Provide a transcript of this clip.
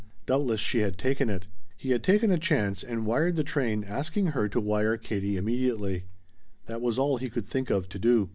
Doubtless she had taken it. He had taken a chance and wired the train asking her to wire Katie immediately. That was all he could think of to do.